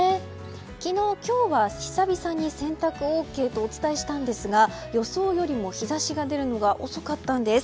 昨日、今日は久々に洗濯ＯＫとお伝えしたんですが予想よりも日差しが出るのが遅かったんです。